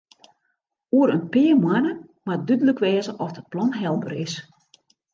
Oer in pear moanne moat dúdlik wêze oft it plan helber is.